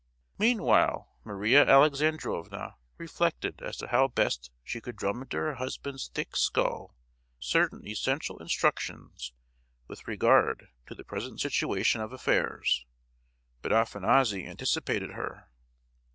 Meanwhile Maria Alexandrovna reflected as to how best she could drum into her husband's thick skull certain essential instructions with regard to the present situation of affairs. But Afanassy anticipated her.